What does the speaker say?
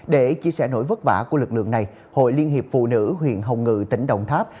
để chia sẻ nỗi vất vả của lực lượng này hội liên hiệp phụ nữ huyện hồng ngự tỉnh đồng tháp